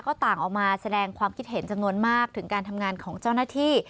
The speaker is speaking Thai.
ก็ต่างออกมาแสดงความคิดเห็นจำนวนมากถึงการทำงานของเจ้าหน้าที่